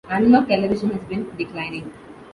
Analogue television has been declining.